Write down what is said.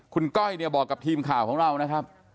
คุณก้อยเนี่ยบอกกับทีมข่าวของเรานะครับ